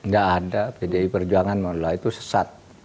gak ada pdi perjuangan menolak itu sesat